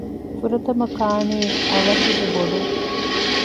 ފުރަތަމަ ކާނީ އަވަށުގެ ބޮޑުން